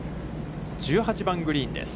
１８番グリーンです。